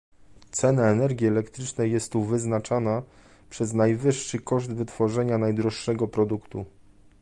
Cena energii elektrycznej jest tu wyznaczana przez najwyższy koszt wytworzenia najdroższego produktu